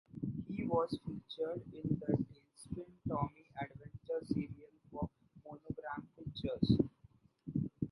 He was featured in the "Tailspin Tommy" adventure serial for Monogram Pictures.